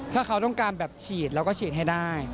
ถ้าเขาต้องการแบบฉีดเราก็ฉีดให้ได้